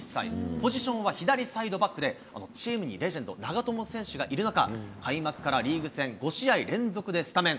ポジションは左サイドバックで、チームにレジェンド、長友選手がいる中、リーグ戦５試合連続でスタメン。